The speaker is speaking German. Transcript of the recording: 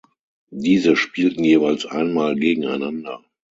Diese spielten jeweils einmal gegeneinander.